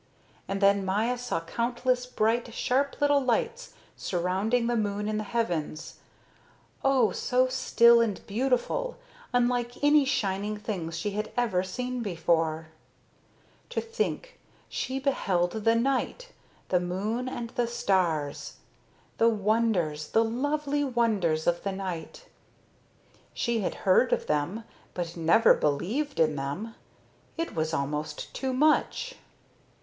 And then Maya saw countless bright, sharp little lights surrounding the moon in the heavens oh, so still and beautiful, unlike any shining things she had ever seen before. To think she beheld the night, the moon, and the stars the wonders, the lovely wonders of the night! She had heard of them but never believed in them. It was almost too much.